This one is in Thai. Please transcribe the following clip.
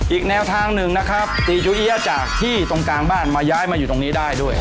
อีกแนวทางหนึ่งนะครับตีจูเอี๊ยะจากที่ตรงกลางบ้านมาย้ายมาอยู่ตรงนี้ได้ด้วย